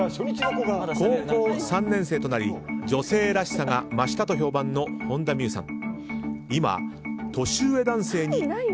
高校３年生となり女性らしさが増したと評判の本田望結さん。